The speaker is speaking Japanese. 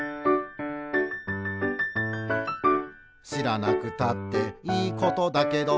「しらなくたっていいことだけど」